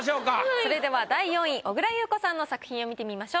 それでは第４位小倉優子さんの作品を見てみましょう。